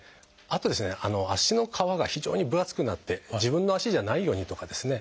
あと足の皮が非常に分厚くなって自分の足じゃないようにとかですね